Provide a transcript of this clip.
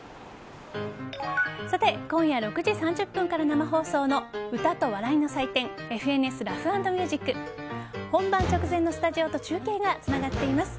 さて今夜６時３０分から生放送の歌と笑いの祭典「ＦＮＳラフ＆ミュージック」本番直前のスタジオと中継がつながっています。